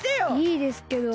いいですけど。